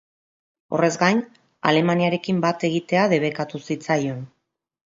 Horrez gain, Alemaniarekin bat egitea debekatu zitzaion.